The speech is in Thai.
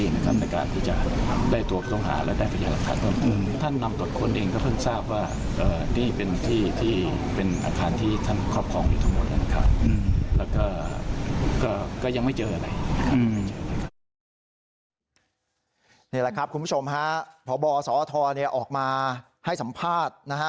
นี่แหละครับคุณผู้ชมฮะพบสอทออกมาให้สัมภาษณ์นะฮะ